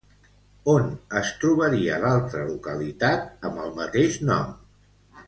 On es trobaria l'altra localitat amb el mateix nom?